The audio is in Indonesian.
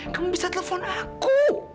kamu bisa telepon aku